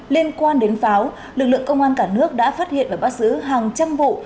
liên quan đến pháo lực lượng công an cả nước đã phát hiện và bắt giữ hàng trăm vụ